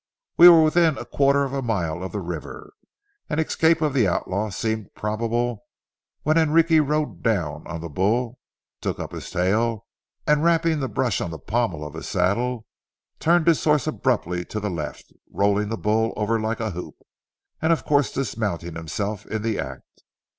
We were within a quarter mile of the river, and escape of the outlaw seemed probable, when Enrique rode down on the bull, took up his tail, and, wrapping the brush on the pommel of his saddle, turned his horse abruptly to the left, rolling the bull over like a hoop, and of course dismounting himself in the act.